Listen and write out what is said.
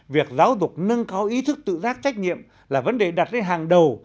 việc giáo dục nâng cao ý thức tự giác trách nhiệm là vấn đề đặt lên hàng đầu